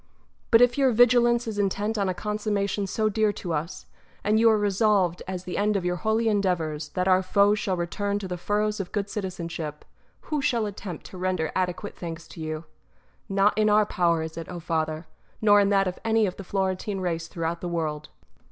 But if your vigilance is intent on a consummation so dear to us, and you are resolved, as the end of your holy endeavours, that our foes shall return to the furrows of good citizenship, who shall attempt to render adequate thanks to you? Not in our power is it, O Father, nor in that of any of the Florentine race throughout the world.